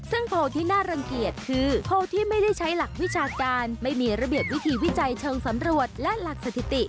ซึ่งโพลที่น่ารังเกียจคือโพลที่ไม่ได้ใช้หลักวิชาการไม่มีระเบียบวิธีวิจัยเชิงสำรวจและหลักสถิติ